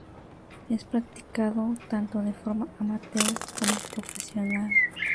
Es practicado tanto de forma amateur como profesional.